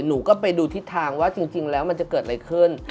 หนูก็ไปดูทิศทางว่าจริงแล้วมันจะเกิดอะไรขึ้น